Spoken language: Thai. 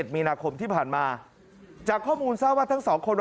มีนาคมที่ผ่านมาจากข้อมูลทราบว่าทั้งสองคน